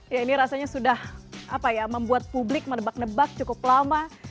ya ini rasanya sudah membuat publik menebak nebak cukup lama